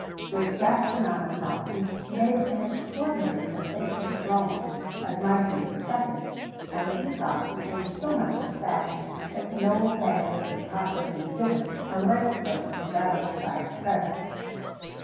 [XVII 124] This gastronomic novelty made an extraordinary sensation at Rome as might be expected and the peacock became so much in fashion, that no banquet could possibly be given unless it was embellished by its presence.